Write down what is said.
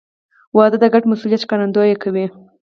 • واده د ګډ مسؤلیت ښکارندویي کوي.